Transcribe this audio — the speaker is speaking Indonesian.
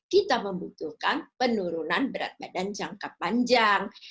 kita membutuhkan penurunan berat badan jangka panjang